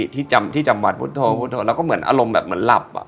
ที่จำที่จำวัดพุทธโทรพุทธโทรแล้วก็เหมือนอารมณ์แบบเหมือนหลับอ่ะ